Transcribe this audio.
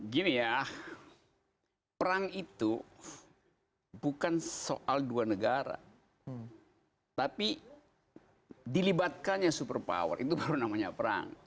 gini ya perang itu bukan soal dua negara tapi dilibatkannya super power itu baru namanya perang